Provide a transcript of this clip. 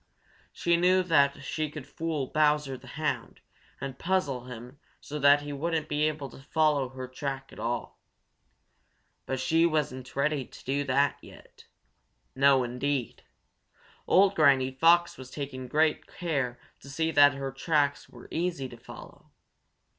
She knew that she could fool Bowser the Hound and puzzle him so that he wouldn't be able to follow her track at all. But she wasn't ready to do that yet. No, indeed! Old Granny Fox was taking great care to see that her tracks were easy to follow.